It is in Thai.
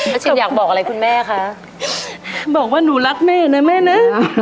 เชนอยากบอกอะไรคุณแม่คะบอกว่าหนูรักแม่นะแม่นะ